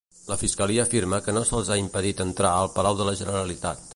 La Fiscalia afirma que no se'ls ha impedit entrar al Palau de la Generalitat.